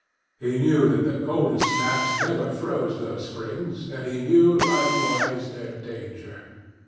He knew that the coldest snaps never froze these springs, and he knew likewise their danger.